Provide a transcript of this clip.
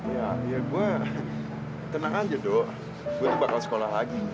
ya ya gue tenang aja do gue tuh bakal sekolah lagi